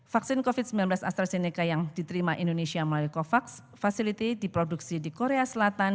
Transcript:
vaksin covid sembilan belas astrazeneca yang diterima indonesia melalui covax facility diproduksi di korea selatan